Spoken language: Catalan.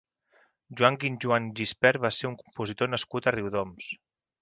Joan Guinjoan Gispert va ser un compositor nascut a Riudoms.